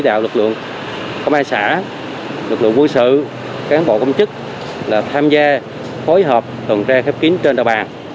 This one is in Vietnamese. đảng ủy đạo lực lượng công an xã lực lượng quân sự cán bộ công chức là tham gia phối hợp tuần tra khắp kính trên đoàn bàn